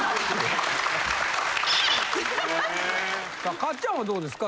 さあ勝ちゃんはどうですか？